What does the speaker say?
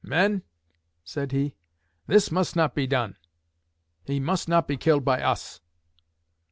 "Men," said he, "this must not be done! He must not be killed by us!"